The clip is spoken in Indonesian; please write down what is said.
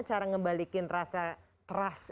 cara ngebalikin rasa trust